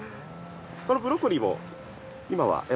このブロッコリーを今は。